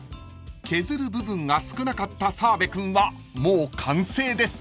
［削る部分が少なかった澤部君はもう完成です］